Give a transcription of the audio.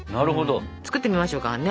作ってみましょうかね？